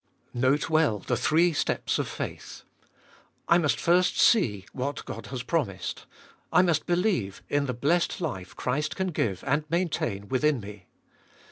7. Note well the three steps of faith. I must first see what God has promised. I must belieue In the blessed life Christ can give and maintain within me.